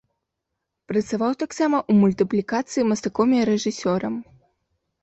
Працаваў таксама ў мультыплікацыі мастаком і рэжысёрам.